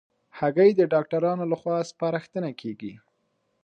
هګۍ د ډاکټرانو له خوا سپارښتنه کېږي.